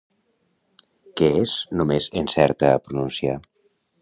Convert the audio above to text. Què és? –només encerta a pronunciar.